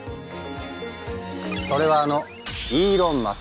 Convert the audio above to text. それはあのイーロン・マスク。